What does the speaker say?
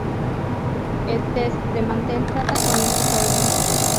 El test de Mantel trata con este problema.